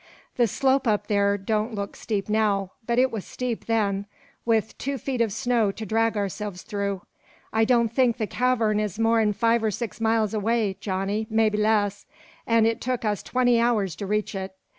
The slope up there don't look steep now, but it was steep then with two feet of snow to drag ourselves through. I don't think the cavern is more'n five or six miles away, Johnny, mebby less, an' it took us twenty hours to reach it.